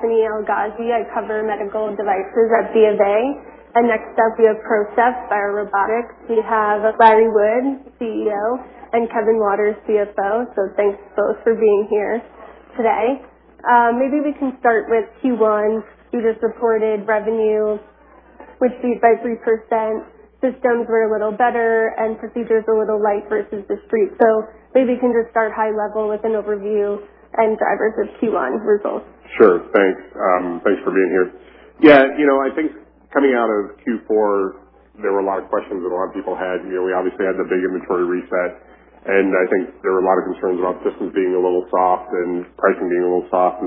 Travis Steed. I cover medical devices at BofA. Next up, we have PROCEPT BioRobotics. We have Larry Wood, CEO, and Kevin Waters, CFO. Thanks both for being here today. Maybe we can start with Q1. You just reported revenue, which beat by 3%. Systems were a little better, and procedures a little light versus the street. Maybe you can just start high level with an overview and the drivers of Q1 results. Sure. Thanks. Thanks for being here. Yeah, you know, I think coming out of Q4, there were a lot of questions that a lot of people had. You know, we obviously had the big inventory reset. I think there were a lot of concerns about systems being a little soft and pricing being a little soft.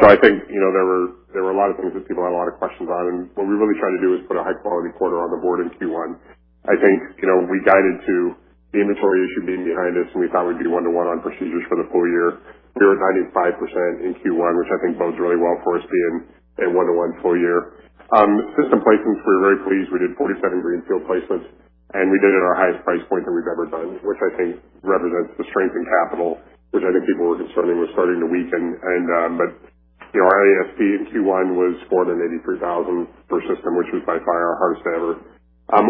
I think, you know, there were a lot of things that people had a lot of questions on. What we really tried to do is put a high-quality quarter on the board in Q1. I think, you know, we guided to the inventory issue being behind us, and we thought we'd be one-to-one on procedures for the full-year. We were at 95% in Q1, which I think bodes really well for us being a one-to-one full-year. System placements, we were very pleased. We did 47 greenfield placements, we did it at our highest price point than we've ever done, which I think represents the strength in capital, which I think people were concerned was starting to weaken. You know, our ASP in Q1 was more than $83,000 per system, which was by far our highest ever.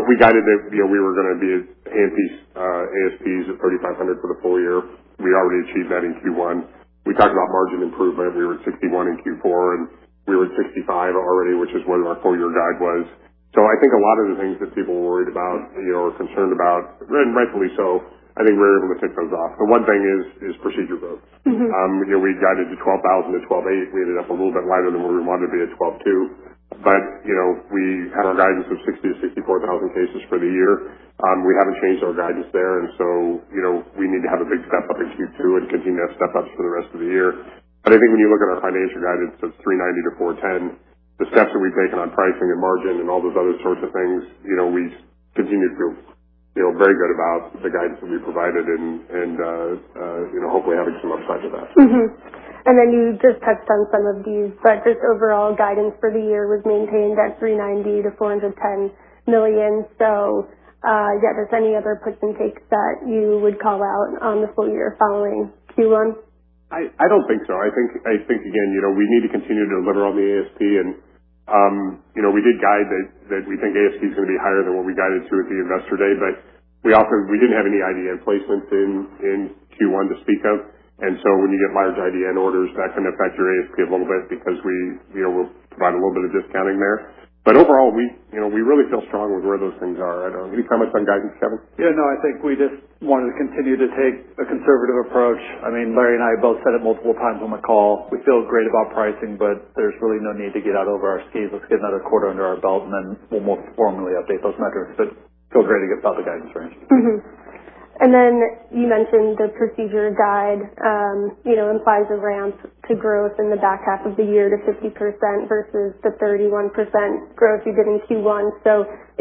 We guided that, you know, we were gonna be at ASP, ASPs at $3,500 for the full year. We already achieved that in Q1. We talked about margin improvement. We were at 61% in Q4, we were at 65% already, which is what our full-year guide was. I think a lot of the things that people were worried about, you know, or concerned about, rightfully so, I think we were able to check those off. The one thing is procedure growth. You know, we guided to 12,000-12,800. We ended up a little bit lighter than where we wanted to be at 12,200. You know, we have our guidance of 60,000-64,000 cases for the year. We haven't changed our guidance there, you know, we need to have a big step-up in Q2 and continue to have step-ups for the rest of the year. I think when you look at our financial guidance of $390 million-$410,million the steps that we've taken on pricing and margin and all those other sorts of things, you know, we continue to feel very good about the guidance that we provided and, you know, hopefully having some upside to that. Mm-hmm. You just touched on some of these, but just overall guidance for the year was maintained at $390 million-$410 million. Yeah, if there are any other puts and takes that you would call out on the full year following Q1? I don't think so. I think again, you know, we need to continue to deliver on the ASP, and, you know, we did guide that we think ASP is going to be higher than what we guided to at the Investor Day. We didn't have any IDN placements in Q1 to speak of. When you get large IDN orders, that's going to affect your ASP a little bit because we, you know, we'll provide a little bit of discounting there. Overall, we, you know, we really feel strong with where those things are. Any comments on guidance, Kevin? Yeah, no, I think we just wanted to continue to take a conservative approach. I mean, Larry and I both said it multiple times on the call. We feel great about pricing, but there's really no need to get out over our skis. Let's get another quarter under our belt, and then we'll more formally update those metrics. Feel great against the public guidance range. Then you mentioned the procedure guide, you know, implies a ramp to growth in the back half of the year to 50% versus the 31% growth you did in Q1.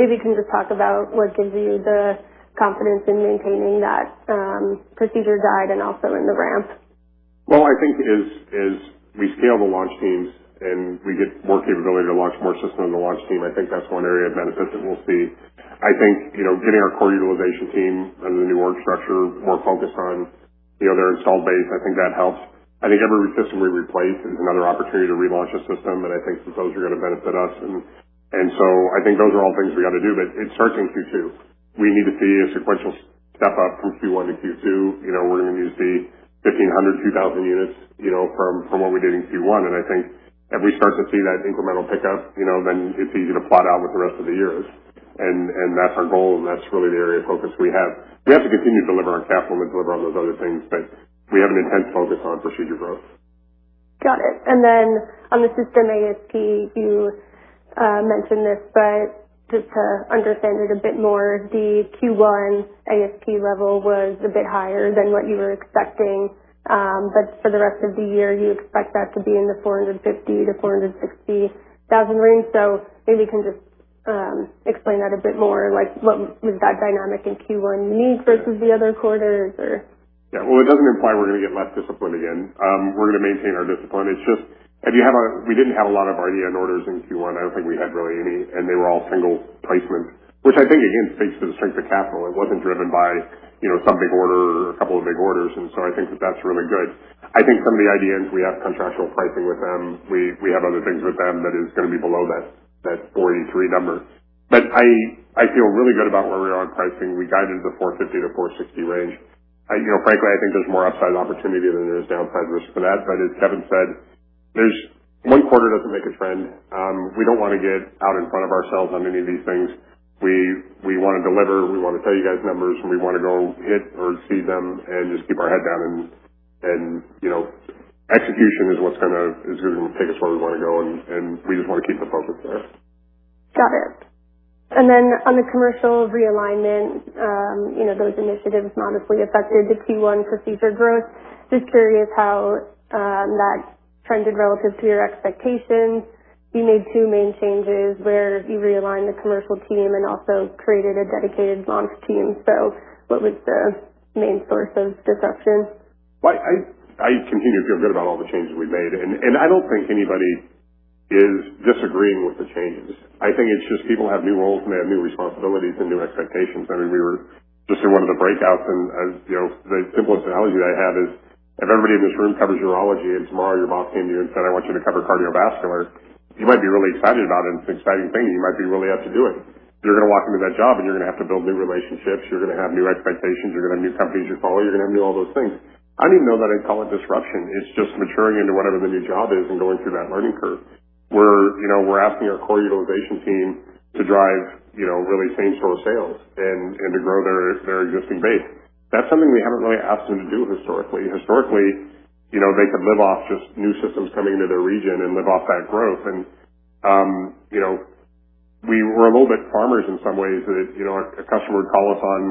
Maybe you can just talk about what gives you the confidence in maintaining that procedure guide and also in the ramp. Well, I think as we scale the launch teams and we get more capability to launch more systems in the launch team, I think that's one area of benefit that we'll see. I think, you know, getting our core utilization team under the new org structure, more focused on, you know, their installed base, I think that helps. I think every system we replace is another opportunity to relaunch a system, and I think that those are gonna benefit us. I think those are all things we got to do. It starts in Q2. We need to see a sequential step-up from Q1 to Q2. You know, we're gonna need to see 1,500, 2,000 units, you know, from what we did in Q1. I think if we start to see that incremental pickup, you know, then it's easy to plot out with the rest of the years. That's our goal, and that's really the area of focus we have. We have to continue to deliver on capital and deliver on those other things, but we have an intense focus on procedure growth. Got it. On the system ASP, you mentioned this, but just to understand it a bit more, the Q1 ASP level was a bit higher than what you were expecting. For the rest of the year, you expect that to be in the $450,000-$460,000 range. Maybe you can just explain that a bit more, like what was that dynamic in Q1 mean versus the other quarters, or? Well, it doesn't imply we're gonna get less disciplined again. We're gonna maintain our discipline. We didn't have a lot of IDN orders in Q1. I don't think we had really any, they were all single placements. Which I think, again, speaks to the strength of capital. It wasn't driven by, you know, some big order or a couple of big orders. I think that that's really good. I think some of the IDNs, we have contractual pricing with them. We have other things with them that is gonna be below that 483 number. I feel really good about where we are on pricing. We guided to the $450-$460 range. I, you know, frankly, I think there's more upside opportunity than there is downside risk for that. As Kevin said, one quarter doesn't make a trend. We don't wanna get out in front of ourselves on any of these things. We wanna deliver, we wanna tell you guys numbers, we wanna go hit or see them and just keep our head down and, you know, execution is what's gonna take us where we wanna go, and we just wanna keep the focus there. Got it. On the commercial realignment, you know, those initiatives modestly affected the Q1 procedure growth. Just curious how that trended relative to your expectations. You made two main changes where you realigned the commercial team and also created a dedicated launch team. What was the main source of disruption? Well, I continue to feel good about all the changes we've made. I don't think anybody is disagreeing with the changes. I think it's just people have new roles, and they have new responsibilities and new expectations. I mean, we were just in one of the breakouts, and as you know, the simplest analogy I have is if everybody in this room covers urology and tomorrow your boss came to you and said, "I want you to cover cardiovascular," you might be really excited about it, and it's an exciting thing, and you might be really up to do it. You're gonna walk into that job, you're gonna have to build new relationships. You're gonna have new expectations. You're gonna have new companies you follow. You're gonna have new all those things. I don't even know that I'd call it disruption. It's just maturing into whatever the new job is and going through that learning curve, where, you know, we're asking our core utilization team to drive, you know, really same-store sales and to grow their existing base. That's something we haven't really asked them to do historically. Historically, you know, they could live off just new systems coming into their region and live off that growth. You know, we were a little bit farmers in some ways that, you know, a customer would call us on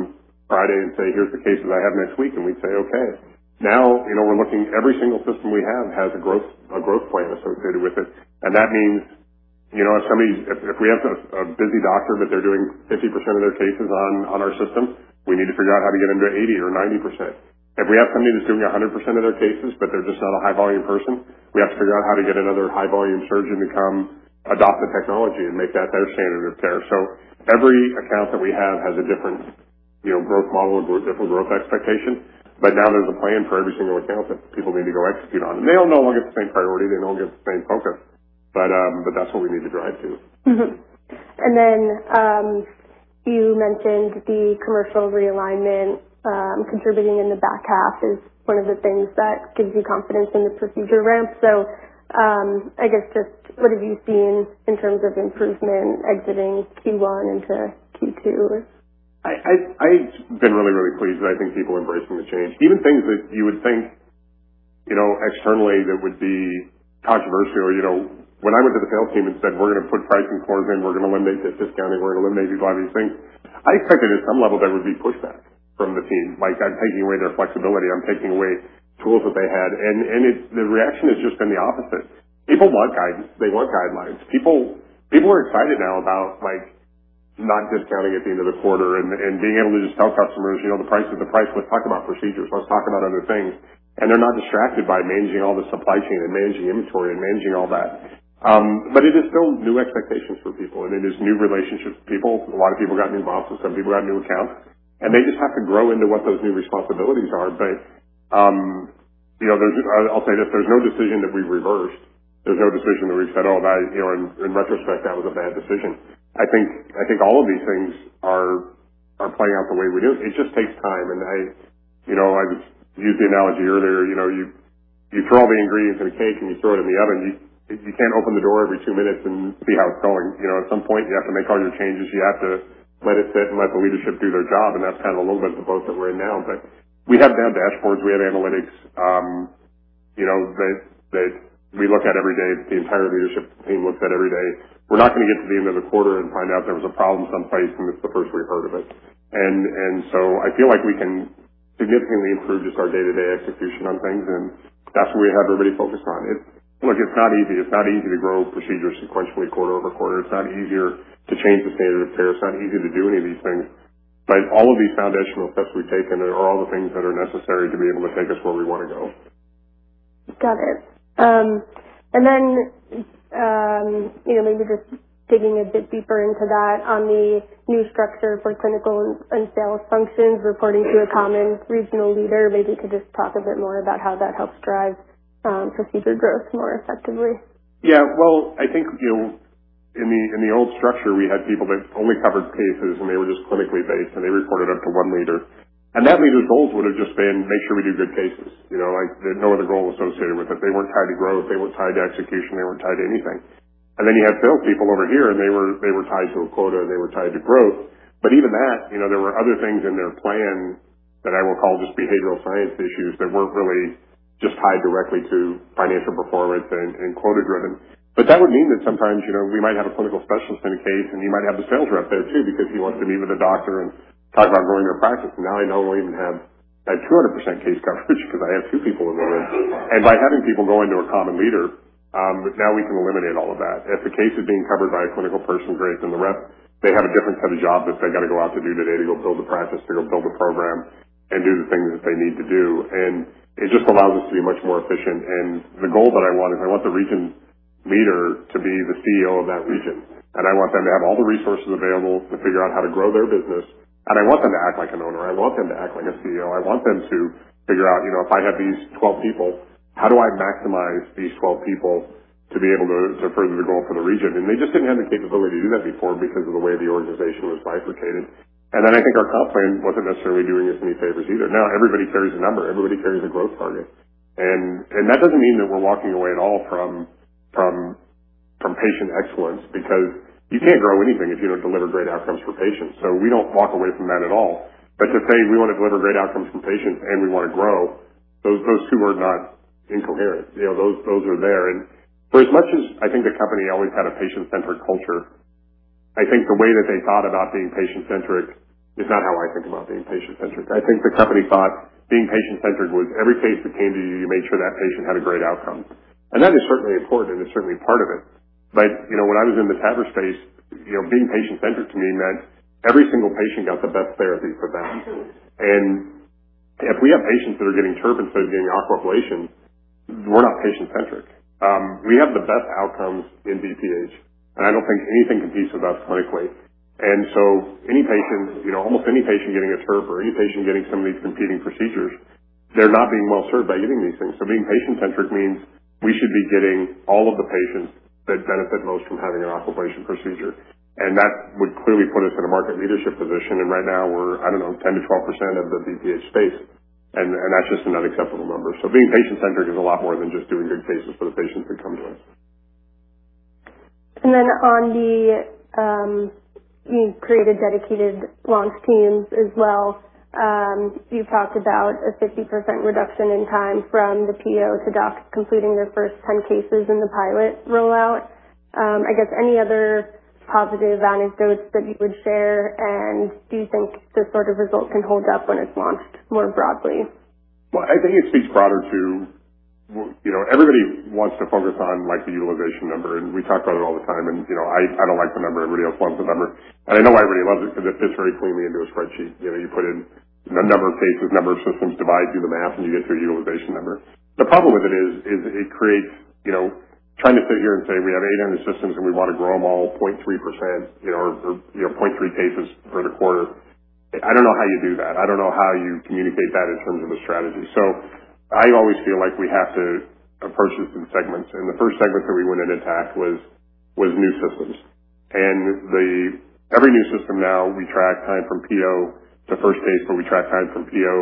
Friday and say, "Here's the cases I have next week," and we'd say, "Okay." Now, you know, we're looking every single system we have has a growth plan associated with it. That means, you know, if we have a busy doctor, but they're doing 50% of their cases on our system, we need to figure out how to get them to 80% or 90%. If we have somebody who's doing 100% of their cases, but they're just not a high-volume person, we have to figure out how to get another high-volume surgeon to come adopt the technology and make that their standard of care. Every account that we have has a different, you know, growth model, a different growth expectation. Now there's a plan for every single account that people need to go execute on. They all don't all get the same priority. They don't all get the same focus. That's what we need to drive to. You mentioned the commercial realignment, contributing to the back half is one of the things that gives you confidence in the procedure ramp. I guess just what have you seen in terms of improvement, exiting Q1 into Q2? I've been really, really pleased, and I think people are embracing the change. Even things that you would think, you know, externally that would be controversial. You know, when I went to the sales team and said, "We're gonna put pricing floors in, we're gonna eliminate this discounting, we're gonna eliminate these, all these things," I expected at some level there would be pushback from the team. Like, I'm taking away their flexibility. I'm taking away the tools that they had. The reaction has just been the opposite. People want guidance. They want guidelines. People are excited now about, like, not discounting at the end of the quarter and being able to just tell customers, you know, the price is the price. Let's talk about procedures. Let's talk about other things. They're not distracted by managing all the supply chain, managing inventory, and managing all that. It is still new expectations for people, and it is new relationships with people. A lot of people got new bosses, some people got new accounts, and they just have to grow into what those new responsibilities are. You know, I'll say this, there's no decision that we've reversed. There's no decision that we've said, "Oh, that, you know, in retrospect, that was a bad decision." I think all of these things are playing out the way we do. It just takes time, and I, you know, I used the analogy earlier. You know, you throw all the ingredients in a cake, and you throw it in the oven. You can't open the door every two minutes and see how it's going. You know, at some point, you have to make all your changes. You have to let it sit and let the leadership do their job. That's kind of a little bit the boat that we're in now. We have the dashboards, we have analytics, you know, that we look at every day, the entire leadership team looks at every day. We're not gonna get to the end of the quarter and find out there was a problem someplace. It's the first we've heard of it. I feel like we can significantly improve just our day-to-day execution on things. That's where we have everybody focused on. Look, it's not easy. It's not easy to grow procedures sequentially quarter over quarter. It's not easier to change the standard of care. It's not easy to do any of these things. All of these foundational steps we've taken are all the things that are necessary to be able to take us where we wanna go. Got it. You know, maybe just digging a bit deeper into that on the new structure for clinical and sales functions reporting to a common regional leader. Maybe you could just talk a bit more about how that helps drive procedure growth more effectively? Yeah. Well, I think, you know, in the, in the old structure, we had people that only covered cases, and they were just clinically based, and they reported up to one leader. That leader's goals would've just been to make sure we do good cases. You know, like there's no other goal associated with it. They weren't tied to growth. They weren't tied to execution. They weren't tied to anything. Then you had sales people over here, and they were tied to a quota, and they were tied to growth. Even that, you know, there were other things in their plan that I will call just behavioral science issues that weren't really just tied directly to financial performance and quota-driven. That would mean that sometimes, you know, we might have a clinical specialist in a case, and you might have the sales rep there too because he wants to meet with a doctor and talk about growing their practice. Now I no longer even have that 200% case coverage because I have two people in the room. By having people go into a common leader, now we can eliminate all of that. If the case is being covered by a clinical person, great. The rep, they have a different set of jobs that they gotta go out to do today to go build the practice, to go build the program and do the things that they need to do. It just allows us to be much more efficient. The goal that I want is I want the region leader to be the CEO of that region, and I want them to have all the resources available to figure out how to grow their business, and I want them to act like an owner. I want them to act like a CEO. I want them to figure out, you know, if I have these 12 people, how do I maximize these 12 people to be able to further the goal for the region? They just didn't have the capability to do that before because of the way the organization was bifurcated. I think our comp plan wasn't necessarily doing us any favors either. Now everybody carries a number. Everybody carries a growth target. That doesn't mean that we're walking away at all from patient excellence, because you can't grow anything if you don't deliver great outcomes for patients. We don't walk away from that at all. To say we wanna deliver great outcomes for patients and we wanna grow, those two are not incoherent. You know, those are there. For as much as I think the company always had a patient-centric culture, I think the way that they thought about being patient-centric is not how I think about being patient-centric. I think the company thought being patient-centric was every case that came to you made sure that patient had a great outcome. That is certainly important, and it's certainly part of it. You know, when I was in the TAVR space, you know, being patient-centric to me meant every single patient got the best therapy for them. If we have patients that are getting TURP instead of getting Aquablation, we're not patient-centric. We have the best outcomes in BPH, and I don't think anything competes with us clinically. Any patient, you know, almost any patient getting a TURP or any patient getting some of these competing procedures, they're not being well served by getting these things. Being patient-centric means we should be getting all of the patients that benefit most from having an Aquablation procedure. That would clearly put us in a market leadership position. Right now, we're, I don't know, 10%-12% of the BPH space, and that's just an unacceptable number. Being patient-centric is a lot more than just doing good cases for the patients who come to us. Then on the, you've created dedicated launch teams as well. You've talked about a 50% reduction in time from the PO to doc completing their first 10 cases in the pilot rollout. I guess any other positive anecdotes that you would share, and do you think this sort of result can hold up when it's launched more broadly? Well, I think it speaks broader to, you know, everybody wants to focus on, like, the utilization number, and we talk about it all the time. You know, I don't like the number. Everybody else wants the number. I know why everybody loves it, 'cause it fits very cleanly into a spreadsheet. You know, you put in the number of cases, number of systems, divide, do the math, and you get to a utilization number. The problem with it is it creates, you know, trying to sit here and say, we have 800 systems, and we want to grow them all 0.3%, you know, or, you know, 0.3% cases for the quarter. I don't know how you do that. I don't know how you communicate that in terms of a strategy. I always feel like we have to approach this in segments. The first segment that we went in and attacked was new systems. Every new system now we track time from PO to first case, or we track time from PO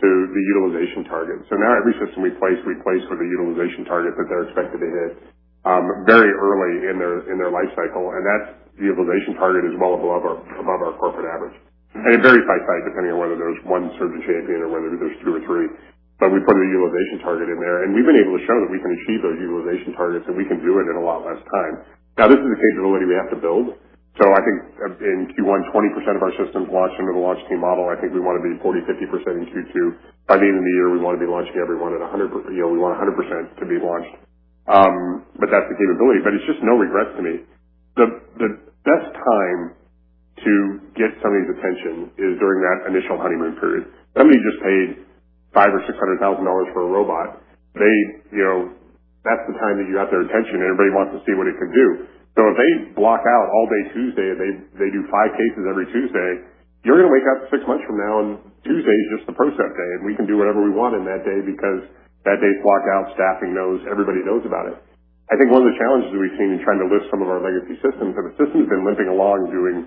to the utilization target. Now, every system we place, we place with a utilization target that they're expected to hit very early in their life cycle. That's the utilization target is well above our corporate average. It varies by site depending on whether there's one surgeon champion or whether there's two or three. We put a utilization target in there, and we've been able to show that we can achieve those utilization targets, and we can do it in a lot less time. This is a capability we have to build. I think in Q1, 20% of our systems launched under the launch team model. I think we want to be 40%, 50% in Q2. By the end of the year, we want to be launching everyone at 100%, you know, we want 100% to be launched. That's the capability. It's just no regrets to me. The best time to get somebody's attention is during that initial honeymoon period. Somebody just paid $500,000 or $600,000 for a robot. They, you know, that's the time that you have their attention, and everybody wants to see what it can do. If they block out all day Tuesday and they do five cases every Tuesday, you're going to wake up six months from now, and Tuesday is just the PROCEPT day, and we can do whatever we want on that day because that day's blocked out. Staffing knows. Everybody knows about it. I think one of the challenges that we've seen in trying to list some of our legacy systems, if a system's been limping along doing,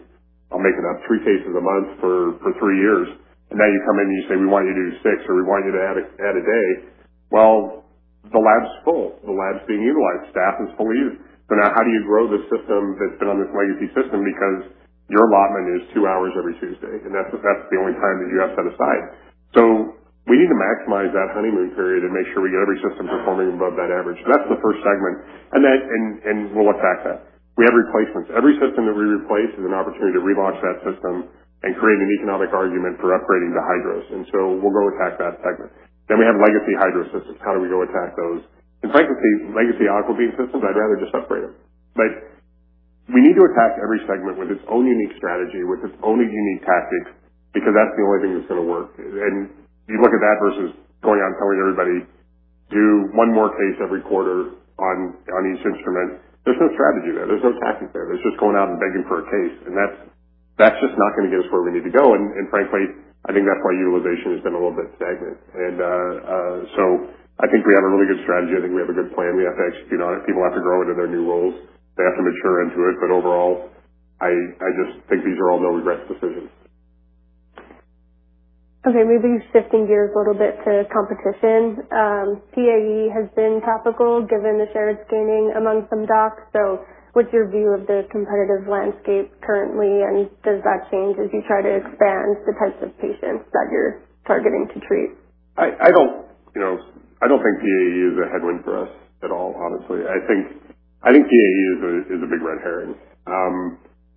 I'll make it up, three cases a month for three years, and now you come in, and you say, "We want you to do six," or, "We want you to add a day." Well, the lab's full. The lab's being utilized. Staff are fully used. Now, how do you grow the system that's been on this legacy system? Your allotment is 2 hours every Tuesday, and that's the only time that you have set aside. We need to maximize that honeymoon period and make sure we get every system performing above that average. That's the first segment. We'll attack that. We have replacements. Every system that we replace is an opportunity to relaunch that system and create an economic argument for upgrading to HYDROS. We'll go attack that segment. We have legacy HYDROS systems. How do we go attack those? Frankly, legacy AquaBeam systems, I'd rather just upgrade them. We need to attack every segment with its own unique strategy, with its own unique tactics, because that's the only thing that's going to work. You look at that versus going out and telling everybody, "Do one more case every quarter on each instrument." There's no strategy there. There's no tactic there. There's just going out and begging for a case. That's just not going to get us where we need to go. Frankly, I think that's why utilization has been a little bit stagnant. I think we have a really good strategy. I think we have a good plan. We have to execute on it. People have to grow into their new roles. They have to mature into it. Overall, I just think these are all no-regrets decisions. Okay, maybe shifting gears a little bit to competition. PAE has been topical, given the shared screening among some docs. What's your view of the competitive landscape currently? Does that change as you try to expand the types of patients that you're targeting to treat? I don't, you know, I don't think PAE is a headwind for us at all, honestly. I think PAE is a big red herring.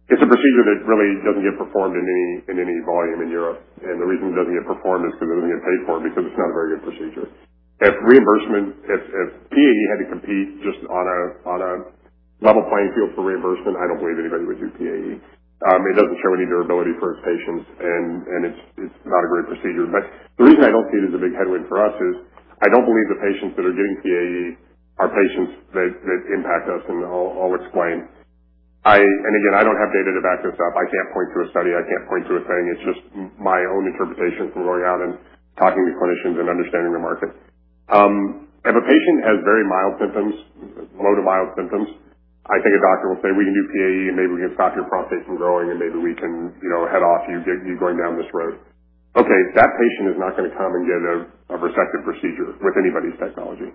It's a procedure that really doesn't get performed in any volume in Europe. The reason it doesn't get performed is because it doesn't get paid for because it's not a very good procedure. If PAE had to compete just on a level playing field for reimbursement, I don't believe anybody would do PAE. It doesn't show any durability for its patients, and it's not a great procedure. The reason I don't see it as a big headwind for us is I don't believe the patients that are getting PAE are patients that impact us, and I'll explain. Again, I don't have data to back this up. I can't point to a study. I can't point to a thing. It's just my own interpretation from going out and talking to clinicians and understanding the market. If a patient has very mild symptoms, low to mild symptoms, I think a doctor will say, "We can do PAE, and maybe we can stop your prostate from growing, and maybe we can, you know, head off you going down this road." That patient is not going to come and get a resective procedure with anybody's technology.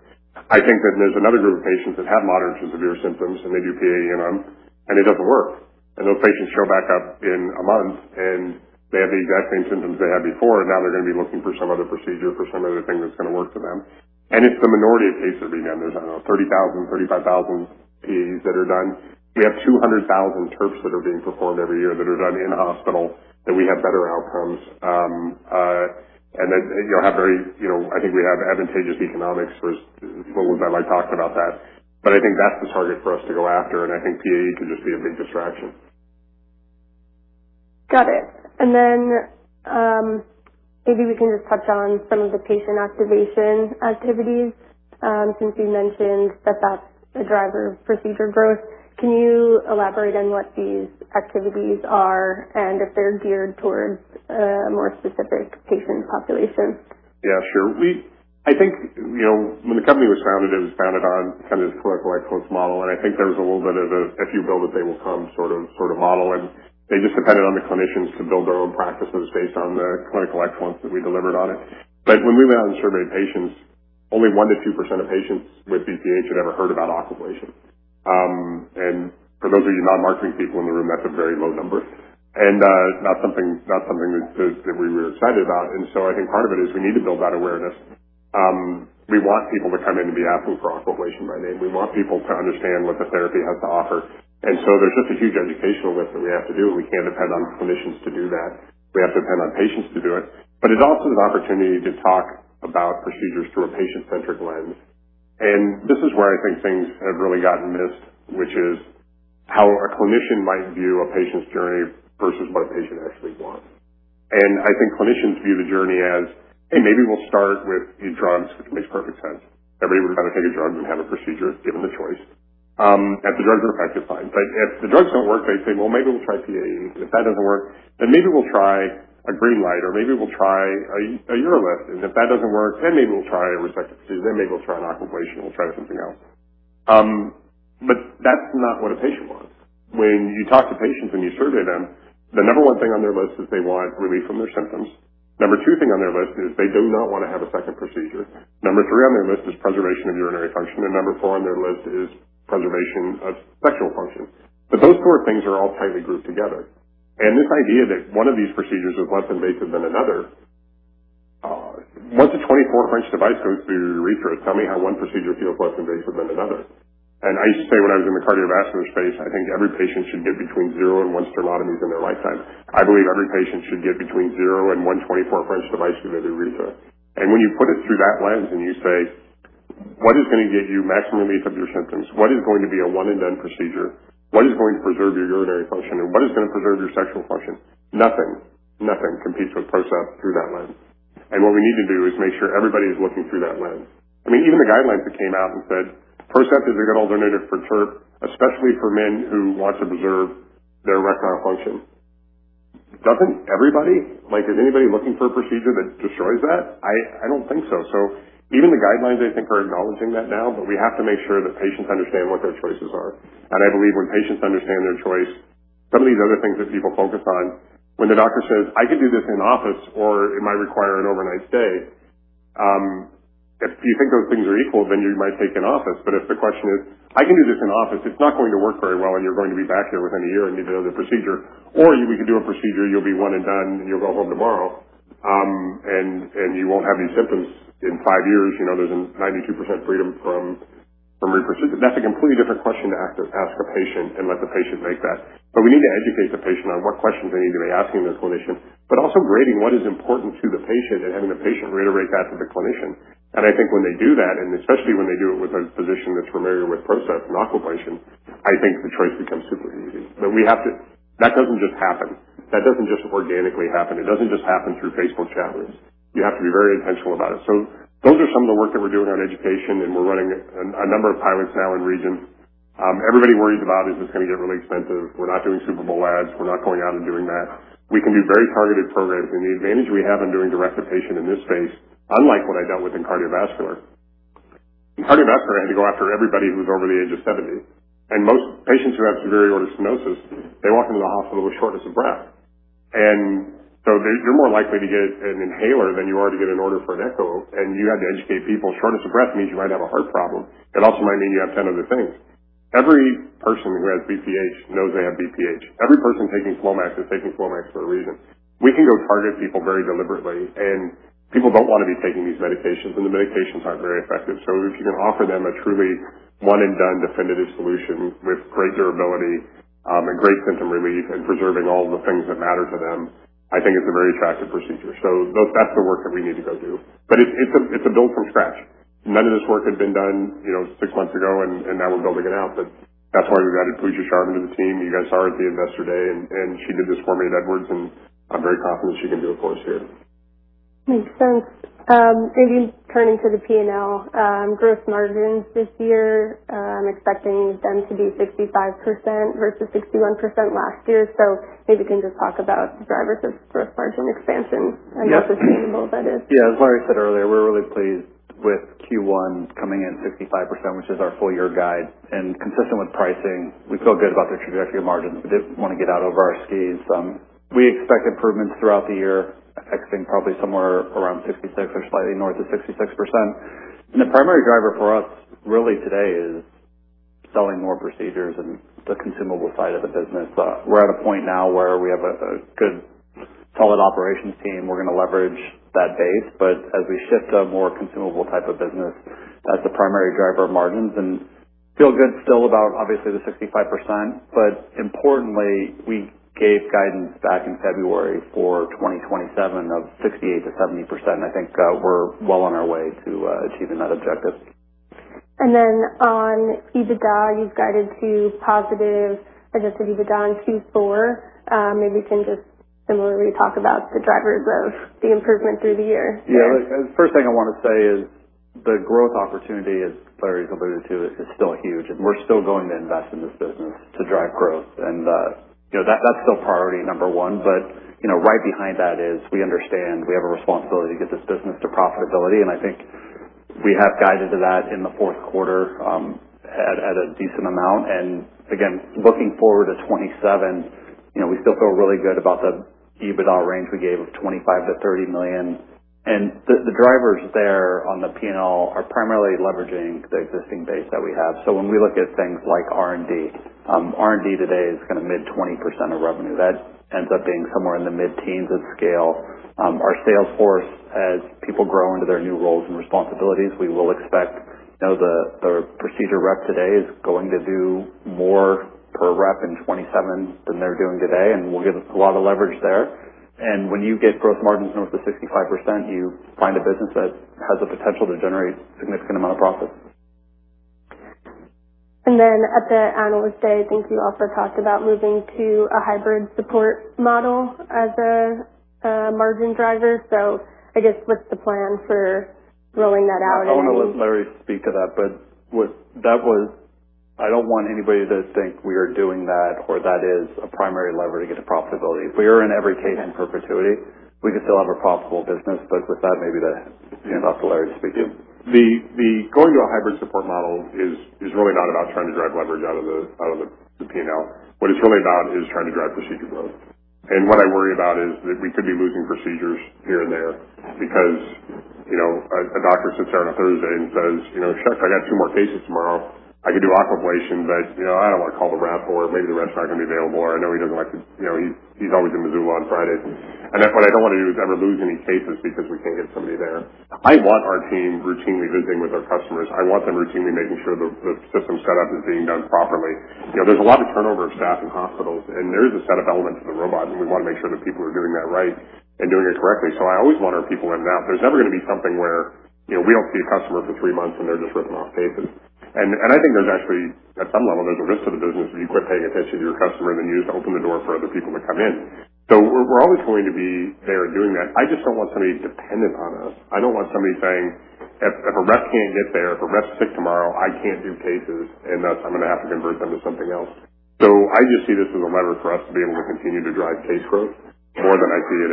I think that there's another group of patients that have moderate to severe symptoms, and they do PAE on them, and it doesn't work. Those patients show back up in a month, and they have the exact same symptoms they had before, and now they're going to be looking for some other procedure, for some other thing that's going to work for them. It's the minority of cases being done. There's, I don't know, 30,000, 35,000 PAEs that are done. We have 200,000 TURPs that are being performed every year that are done in-hospital, that we have better outcomes. You know, I think we have advantageous economics versus what we've got. I talked about that. I think that's the target for us to go after, and I think PAE can just be a big distraction. Got it. Maybe we can just touch on some of the patient activation activities, since you mentioned that that's a driver of procedure growth. Can you elaborate on what these activities are and if they're geared towards a more specific patient population? Yeah, sure. I think, you know, when the company was founded, it was founded on a kind of this clinical excellence model. I think there was a little bit of a, if you build it, they will come sort of model. They just depended on the clinicians to build their own practices based on the clinical excellence that we delivered on it. When we went out and surveyed patients, only 1% -2% of patients with BPH had ever heard about Aquablation. For those of you non-marketing people in the room, that's a very low number. Not something that we were excited about. I think part of it is we need to build that awareness. We want people to come in and be asking for Aquablation by name. We want people to understand what the therapy has to offer. There's just a huge educational lift that we have to do, and we can't depend on clinicians to do that. We have to depend on patients to do it. It's also an opportunity to talk about procedures through a patient-centric lens. This is where I think things have really gotten missed, which is how a clinician might view a patient's journey versus what a patient actually wants. I think clinicians view the journey as, "Hey, maybe we'll start with these drugs," which makes perfect sense. Everybody would rather take a drug than have a procedure, given the choice. If the drugs are effective, fine. If the drugs don't work, they say, "Well, maybe we'll try PAE. If that doesn't work, then maybe we'll try a GreenLight, or maybe we'll try a UroLift. If that doesn't work, then maybe we'll try a resective procedure, then maybe we'll try an Aquablation, we'll try something else." That's not what a patient wants. When you talk to patients and you survey them, the number one thing on their list is they want relief from their symptoms. Number two thing on their list is they do not want to have a second procedure. Number three on their list is preservation of urinary function, and number four on their list is preservation of sexual function. Those four things are all tightly grouped together. This idea that one of these procedures is less invasive than another, once a 24 French device goes through your urethra, tell me how one procedure feels less invasive than another. I used to say when I was in the cardiovascular space, I think every patient should get between zero and one sternotomy in their lifetime. I believe every patient should get between zero and 1 24 French device through their urethra. When you put it through that lens, and you say, "What is going to get you maximum relief of your symptoms? What is going to be a one-and-done procedure? What is going to preserve your urinary function? What is going to preserve your sexual function?" Nothing. Nothing competes with PROCEPT through that lens. What we need to do is make sure everybody is looking through that lens. I mean, even the guidelines that came out and said, "PROCEPT is a good alternative for TURP, especially for men who want to preserve their erectile function." Doesn't everybody? Is anybody looking for a procedure that destroys that? I don't think so. Even the guidelines, I think, are acknowledging that now, but we have to make sure that patients understand what their choices are. I believe when patients understand their choice, some of these other things that people focus on, when the doctor says, "I can do this in office, or it might require an overnight stay." If you think those things are equal, then you might take office. If the question is, "I can do this in the office, it's not going to work very well, and you're going to be back here within a year and need another procedure. We can do a procedure, you'll be one and done, and you'll go home tomorrow, and you won't have any symptoms in five years." You know, there's a 92% freedom from reprocedure. That's a completely different question to ask a patient and let the patient make that. We need to educate the patient on what questions they need to be asking their clinician, but also grading what is important to the patient and having the patient reiterate that to the clinician. I think when they do that, and especially when they do it with a physician that's familiar with PROCEPT and Aquablation, I think the choice becomes super easy. That doesn't just happen. That doesn't just organically happen. It doesn't just happen through Facebook chat rooms. You have to be very intentional about it. Those are some of the works that we're doing on education, and we're running a number of pilots now in regions. Everybody worries about, is this gonna get really expensive? We're not doing Super Bowl ads. We're not going out and doing that. We can do very targeted programs. The advantage we have in doing direct-to-patient in this space, unlike what I dealt with in cardiovascular. In cardiovascular, I had to go after everybody who's over the age of 70, and most patients who have severe aortic stenosis, they walk into the hospital with shortness of breath. You're more likely to get an inhaler than you are to get an order for an echo. You had to educate people; shortness of breath means you might have a heart problem. It also might mean you have 10 other things. Every person who has BPH knows they have BPH. Every person taking FLOMAX is taking FLOMAX for a reason. We can go target people very deliberately. People don't want to be taking these medications. The medications aren't very effective. If you can offer them a truly one-and-done definitive solution with great durability, great symptom relief, and preserving all the things that matter to them, I think it's a very attractive procedure. That's the work that we need to go do. It's a build-from-scratch. None of this work had been done, you know, six months ago, and now we're building it out. That's why we've added Pooja Sharma to the team. You guys saw her at the Investor Day, and she did this for me at Edwards, and I'm very confident she can do it for us here. Makes sense. Maybe turning to the P&L, gross margins this year, expecting them to be 65% versus 61% last year. Maybe you can just talk about drivers of gross margin expansion. Yeah. How sustainable that is? Yeah. As Larry said earlier, we're really pleased with Q1 coming in 65%, which is our full year guide. Consistent with pricing, we feel good about the trajectory of margins. We didn't want to get out over our skis. We expect improvements throughout the year, exiting probably somewhere around 66% or slightly north of 66%. The primary driver for us really today is selling more procedures in the consumable side of the business. We're at a point now where we have a good solid operations team. We're gonna leverage that base. As we shift to a more consumable type of business, that's the primary driver of margins and feel good still about obviously the 65%. Importantly, we gave guidance back in February for 2027 of 68%-70%, and I think, we're well on our way to achieving that objective. On EBITDA, you guided to positive Adjusted EBITDA Q4. Maybe you can just similarly talk about the drivers of the improvement through the year. Yeah. The first thing I wanna say is the growth opportunity, as Larry alluded to, is still huge, and we're still going to invest in this business to drive growth. You know, that's still priority number one. You know, right behind that is we understand we have a responsibility to get this business to profitability. I think we have guided to that in the fourth quarter at a decent amount. Again, looking forward to 2027, you know, we still feel really good about the EBITDA range we gave of $25 million-$30 million. The drivers there on the P&L are primarily leveraging the existing base that we have. When we look at things like R&D, R&D today is kinda mid 20% of revenue. That ends up being somewhere in the mid-teens at scale. Our sales force, as people grow into their new roles and responsibilities, we will expect, you know, the procedure rep today is going to do more per rep in 27 than they're doing today and will give us a lot of leverage there. When you get gross margins north of 65%, you find a business that has the potential to generate a significant amount of profit. At the Analyst Day, I think you also talked about moving to a hybrid support model as a margin driver. I guess what's the plan for rolling that out? I wanna let Larry speak to that. I don't want anybody to think we are doing that or that is a primary lever to get to profitability. If we were in every case in perpetuity, we could still have a profitable business. With that, maybe I'll just hand it off to Larry to speak to. The going to a hybrid support model is really not about trying to drive leverage out of the P&L. What it's really about is trying to drive procedure growth. What I worry about is that we could be losing procedures here and there because, you know, a doctor sits there on a Thursday and says, "You know, shucks, I got two more cases tomorrow. I could do Aquablation, but, you know, I don't wanna call the rep, or maybe the rep's not gonna be available, or I know he doesn't like to. You know, he's always in Missoula on Fridays." What I don't wanna do is ever lose any cases because we can't get somebody there. I want our team routinely visiting with our customers. I want them routinely making sure the system setup is being done properly. You know, there's a lot of turnovers of staff in hospitals. There is a set of elements to the robot, and we wanna make sure that people are doing that right and doing it correctly. I always want our people in and out. There's never gonna be something where, you know, we don't see a customer for three months and they're just ripping off cases. I think there's actually, at some level, there's a risk to the business if you quit paying attention to your customer, then you just open the door for other people to come in. We're always going to be there doing that. I just don't want somebody dependent on us. I don't want somebody saying, "If a rep can't get there, if a rep's sick tomorrow, I can't do cases, and thus I'm gonna have to convert them to something else." I just see this as a lever for us to be able to continue to drive case growth more than I see it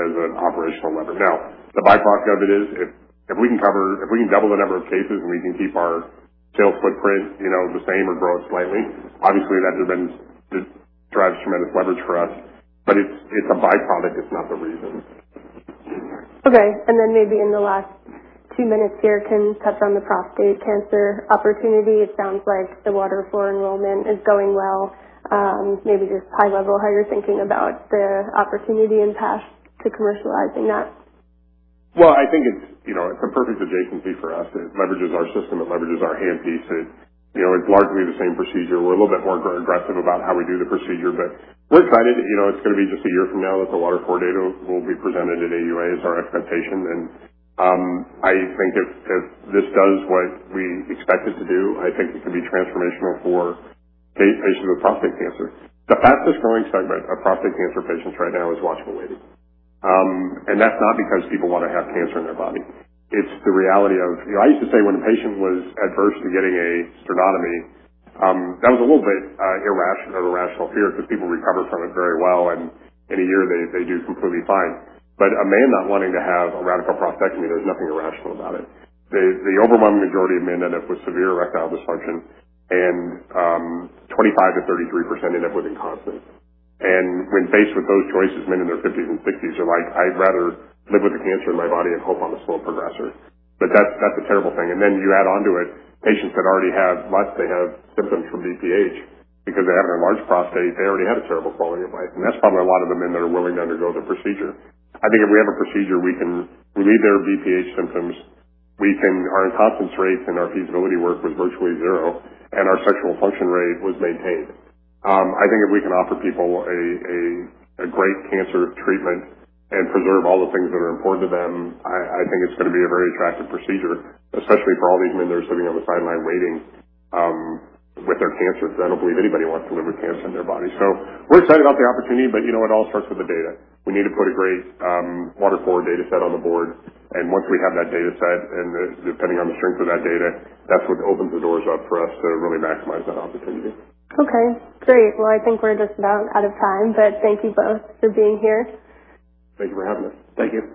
as an operational lever. Now, the byproduct of it is if we can double the number of cases and we can keep our sales footprint, you know, the same or grow it slightly, obviously, that just means it drives tremendous leverage for us. It's a byproduct. It's not the reason. Okay. Maybe in the last two minutes here, can you touch on the prostate cancer opportunity? It sounds like the WATER IV enrollment is going well. Maybe just high level, how you're thinking about the opportunity and path to commercializing that. Well, I think it's, you know, it's a perfect adjacency for us. It leverages our system. It leverages our handpiece. It, you know, it's largely the same procedure. We're a little bit more aggressive about how we do the procedure, but we're excited. You know, it's gonna be just a year from now that the WATER IV data will be presented at AUA, is our expectation. I think if this does what we expect it to do, I think this can be transformational for patients with prostate cancer. The fastest-growing segment of prostate cancer patients right now is watch and waiting. That's not because people wanna have cancer in their body. It's the reality of, you know, I used to say when a patient was adverse to getting a sternotomy, that was a little bit irrational fear because people recover from it very well, and in a year they do completely fine. A man not wanting to have a radical prostatectomy, there's nothing irrational about it. The overwhelming majority of men end up with severe erectile dysfunction, and 25%-33% end up with incontinence. When faced with those choices, men in their 50s and 60s are like, "I'd rather live with the cancer in my body and hope I'm a slow progressor." That's a terrible thing. You add onto it patients that already have symptoms from BPH because they have an enlarged prostate. They already had a terrible quality of life, and that's probably a lot of the men that are willing to undergo the procedure. I think if we have a procedure, we can relieve their BPH symptoms, our incontinence rate in our feasibility work was virtually zero, and our sexual function rate was maintained. I think if we can offer people a great cancer treatment and preserve all the things that are important to them, I think it's gonna be a very attractive procedure, especially for all these men that are sitting on the sideline waiting with their cancer. I don't believe anybody wants to live with cancer in their body. We're excited about the opportunity, but you know, it all starts with the data. We need to put a great, WATER IV data set on the board, and once we have that data set and, depending on the strength of that data, that's what opens the doors up for us to really maximize that opportunity. Okay, great. Well, I think we're just about out of time but thank you both for being here. Thank you for having us. Thank you.